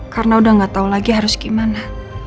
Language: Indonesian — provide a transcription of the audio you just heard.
karena udah gak tau lagi harus gimana